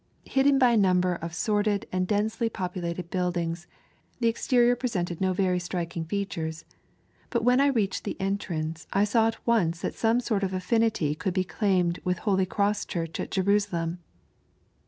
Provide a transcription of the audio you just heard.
Hidden by a number of sordid and densely populated buildings, the exterior presented no very striking features, but when I reached the entrance I saw at once that some sort of affinity could be claimed with Holy Cross Church at Jerusalem.